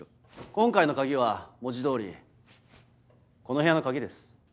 今回のカギは文字通りこの部屋の鍵です。